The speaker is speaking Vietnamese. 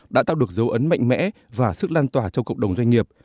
đã tạo được dấu ấn mạnh mẽ và sức lan tỏa trong cộng đồng doanh nghiệp